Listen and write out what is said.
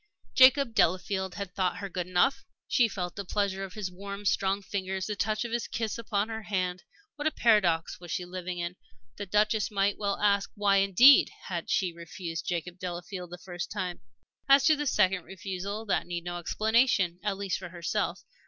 Jacob Delafield had thought her good enough! She still felt the pressure of his warm, strong fingers, the touch of his kiss upon her hand. What a paradox was she living in! The Duchess might well ask: why, indeed, had she refused Jacob Delafield that first time? As to the second refusal, that needed no explanation, at least for herself.